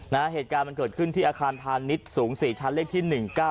เหตุการณ์มันเกิดขึ้นที่อาคารพาณิชย์สูง๔ชั้นเลขที่๑๙